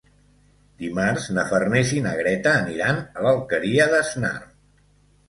Dimarts na Farners i na Greta aniran a l'Alqueria d'Asnar.